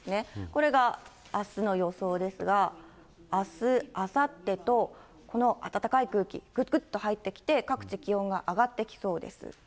これがあすの予想ですが、あす、あさってと、この暖かい空気、ぐくっと入ってきて、各地気温が上がってきそうです。